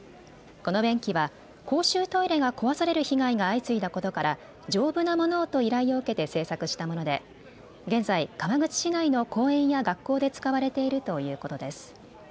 この便器は公衆トイレが壊される被害が相次いだことから丈夫なものをと依頼を受けて製作したもので、現在、川口市内の公園や学校で使われているということです。